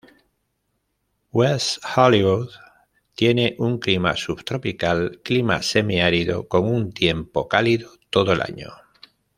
West Hollywood tiene un Clima subtropical-clima semiárido con un tiempo cálido todo el año.